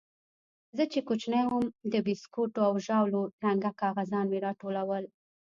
زه چې کوچنى وم د بيسکوټو او ژاولو رنګه کاغذان مې راټولول.